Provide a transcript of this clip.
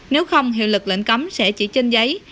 nếu không hiệu lực lệnh cấm sẽ chỉ trên giấy